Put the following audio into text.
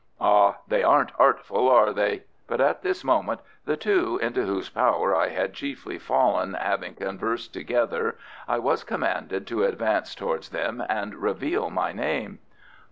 Ah, they aren't artful, are they!" but at this moment the two into whose power I had chiefly fallen having conversed together, I was commanded to advance towards them and reveal my name.